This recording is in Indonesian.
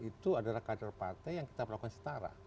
itu adalah kader partai yang kita perlakukan setara